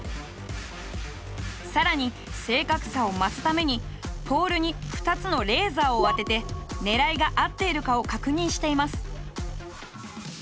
更に正確さを増すためにポールに２つのレーザーを当てて狙いが合っているかを確認しています。